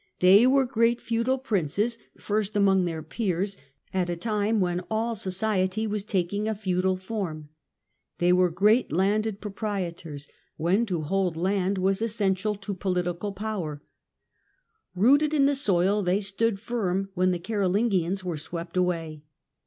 They were great feudal princes, " first among their peers/' at a time when all society was taking a feudal form ; they were great landed proprietors, when to hold land was essential to political power; " rooted in the soil,", they stood firm when the Caro lingians were swept away.